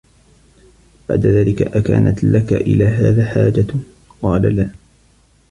بَعْدَ ذَلِكَ أَكَانَتْ لَك إلَى هَذَا حَاجَةٌ ؟ قَالَ لَا